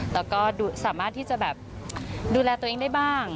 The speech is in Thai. แล้วก็สามารถที่จะแบบดูแลตัวเองได้บ้าง